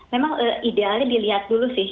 memang idealnya dilihat dulu sih